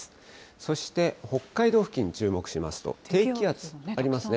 そして、北海道付近に注目しますと、低気圧、ありますね。